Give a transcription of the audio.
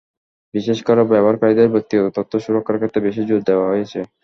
বিশেষ করে ব্যবহারকারীদের ব্যক্তিগত তথ্য সুরক্ষার ক্ষেত্রে বেশি জোর দেওয়া হয়েছে।